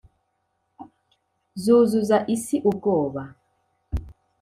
zuzuza isi ubwoba,